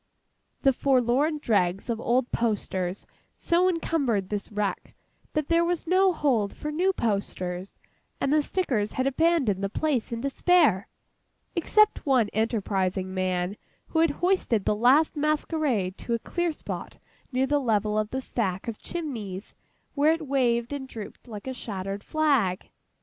The forlorn dregs of old posters so encumbered this wreck, that there was no hold for new posters, and the stickers had abandoned the place in despair, except one enterprising man who had hoisted the last masquerade to a clear spot near the level of the stack of chimneys where it waved and drooped like a shattered flag.